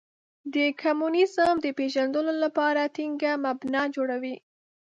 د کمونیزم د پېژندلو لپاره ټینګه مبنا جوړوي.